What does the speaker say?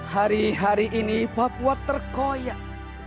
hari hari ini papua terkoyak